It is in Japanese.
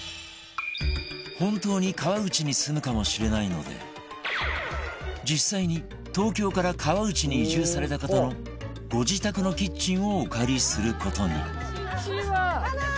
本当に川口に住むかもしれないので実際に東京から川口に移住された方のご自宅のキッチンをお借りする事に